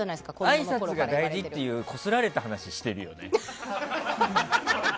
あいさつが大事っていうこすられた話してるよね。